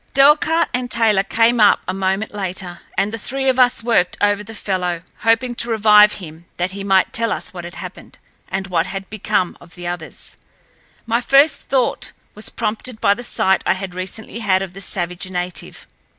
Delcarte and Taylor came up a moment later, and the three of us worked over the fellow, hoping to revive him that he might tell us what had happened, and what had become of the others. My first thought was prompted by the sight I had recently had of the savage native.